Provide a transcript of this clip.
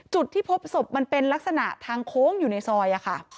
จุดที่พบศพมันเป็นลักษณะทางโค้งอยู่ในซอยค่ะ